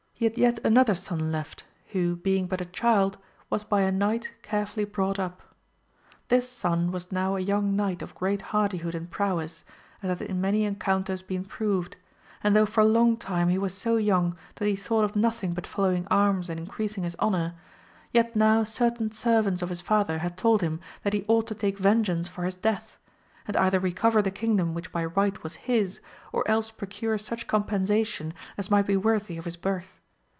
had yet another son left, who, being but a child, was by a knight carefully brought up. This son was now a young knight of great hardihood and prowess, as had in many encounters b0en proved ; and though for long time he was so young that he thought of nothing but following arms and increasing his honour, yet now certain servants of his father had told him that he ought to take vengeance for his death, and either re cover the kingdom which by right was his, or else pro cure such compensation as might be worthy of his birth.